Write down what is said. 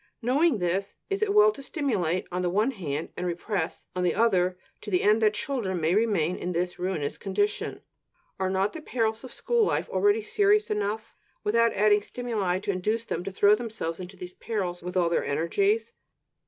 Knowing this, is it well to stimulate on the one hand and to repress on the other, to the end that children may remain in this ruinous condition? Are not the perils of school life already serious enough, without adding stimuli to induce them to throw themselves into these perils with all their energies?